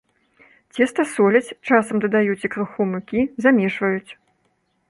Цеста соляць, часам дадаюць і крыху мукі, замешваюць.